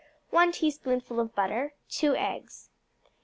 1 teaspoonful of butter. 2 eggs.